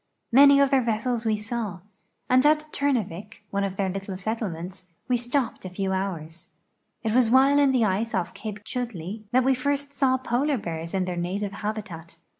INIany of their vessels we saw, and at Turnavik. one of their little settlements, we stopi)ed a few hours. It was while in the ice off Cape Chudleigh that we first saw polar b.ears in their native habitat.